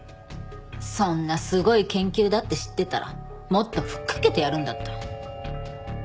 そんなすごい研究だって知ってたらもっと吹っ掛けてやるんだった。